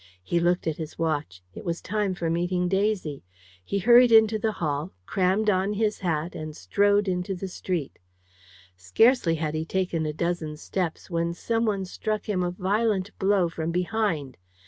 He looked at his watch it was time for meeting Daisy. He hurried into the hall, crammed on his hat, and strode into the street. Scarcely had he taken a dozen steps, when some one struck him a violent blow from behind.